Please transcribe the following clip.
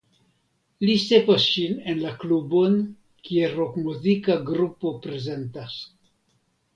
Li sekvas ŝin en la klubon kie rokmuzika grupo prezentas.